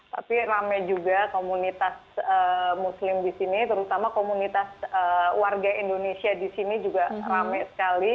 tapi rame juga komunitas muslim di sini terutama komunitas warga indonesia di sini juga rame sekali